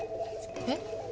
えっ？